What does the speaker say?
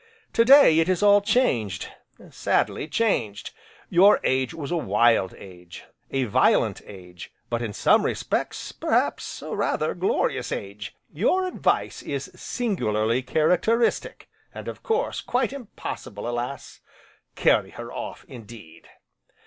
To day it is all changed, sadly changed. Your age was a wild age, a violent age, but in some respects, perhaps, a rather glorious age. Your advice is singularly characteristic, and, of course, quite impossible, alas! Carry her off, indeed!